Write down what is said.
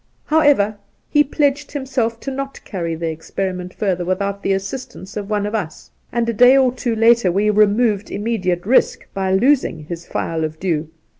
However, he pledged himself not to carry the ex periment further without the assistance of one of us, and a day or two later we removed immediate risk by losing his phial of dew.